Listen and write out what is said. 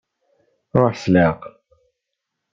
Ṛuḥ s leɛqel.